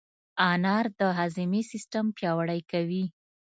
انار د هاضمې سیستم پیاوړی کوي.